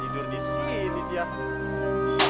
hitung terus aja umas di bandara